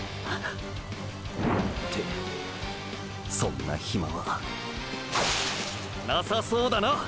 っ⁉ってそんなヒマはなさそうだな！！